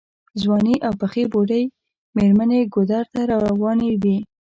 ځوانې او پخې بوډۍ مېرمنې ګودر ته راروانې وې.